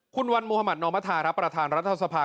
คุณวันมุธมัธนอมธาครับประธานรัฐสภา